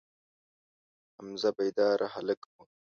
حمزه بیداره هلک و.